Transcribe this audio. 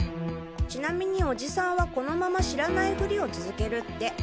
「ちなみにオジサンはこのまま知らないふりを続けるって」。